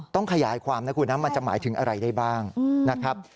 ต้องขยายความนะคุณนะมันจะหมายถึงอะไรได้บ้างนะครับ